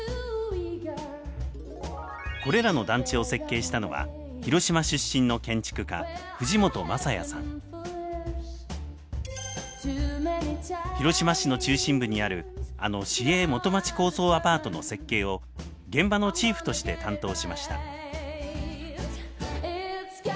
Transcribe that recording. これらの団地を設計したのは広島市の中心部にあるあの市営基町高層アパートの設計を現場のチーフとして担当しました。